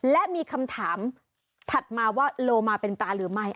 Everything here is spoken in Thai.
และมีคำถามถัดมาว่าโลมาเป็นปลาหรือไม่